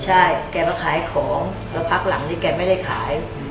ใช่แกมาขายของแล้วพักหลังนี้แกไม่ได้ขาย